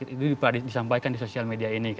itu disampaikan di sosial media ini